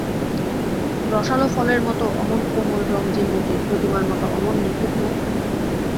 রসালো ফলের মতো অমন কোমল রঙ যে মতির, প্রতিমার মতো অমল নিখুঁত মুখ?